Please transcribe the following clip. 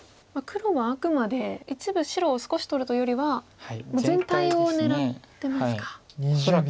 黒はあくまで一部白を少し取るというよりはもう全体を狙ってますか。